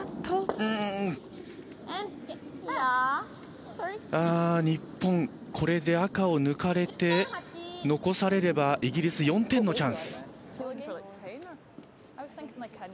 うーん日本、これで赤を抜かれて残されればイギリス、４点のチャンス。